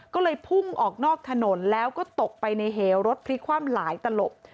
ก็เลยพุ่งออกนอกถนนแล้วก็ตกไปในเหวรถพลิกคว่ำหลายตลบ